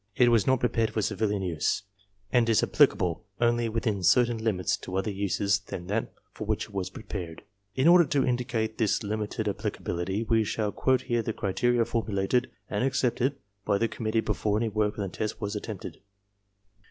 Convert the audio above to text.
It was not prepared for civilian use, and is applicable only within certain limits to other uses than that for which it was pre pared. In order to indicate this limited applicability, we shall quote here the criteria formulated and accepted by the com mittee before any work on the tests was attempted.